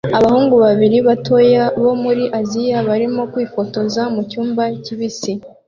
Abahungu babiri batoya bo muri Aziya barimo kwifotoza mucyumba kibisi